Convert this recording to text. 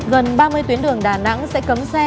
gần ba mươi tuyến đường đà nẵng sẽ cấm xe